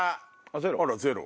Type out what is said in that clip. あらゼロ。